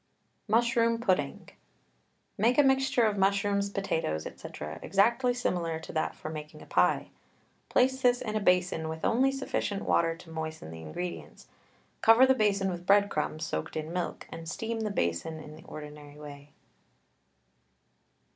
MUSHROOM PUDDING. Make a mixture of mushrooms, potatoes, &c., exactly similar to that for making a pie. Place this in a basin with only sufficient water to moisten the ingredients, cover the basin with bread crumbs soaked in milk, and steam the basin in the ordinary way.